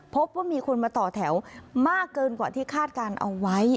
พบว่ามีคนมาต่อแถวมากเกินกว่าที่คาดการณ์เอาไว้